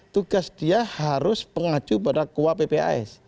tugas dia harus pengacu pada kuah pps